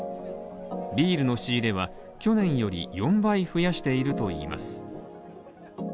ビールの仕入れは、去年より４倍増やしているといいます。